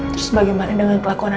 terus bagaimana dengan pelakonannya